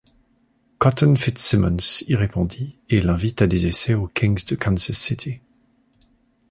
Cotton Fitzsimmons y répondit et l'invite à des essais aux Kings de Kansas City.